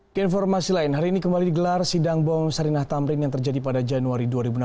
keinformasi lain hari ini kembali digelar sidang bom sarinah tamrin yang terjadi pada januari dua ribu enam belas